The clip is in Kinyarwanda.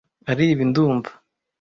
aribi ndumva.